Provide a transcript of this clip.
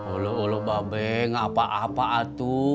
ulu ulu mba be ngapa apa atuh